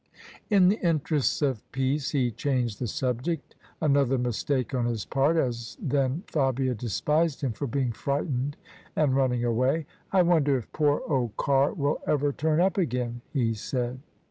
In the [ 234 ] OF ISABEL CARNABY interests of peace he changed the subject: another mistake on his part, as then Fabia despised him for being frightened and running away. " I wonder if poor old Carr will ever turn up again/' he said.